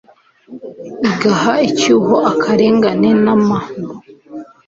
igaha icyuho akarengane n'amahugu.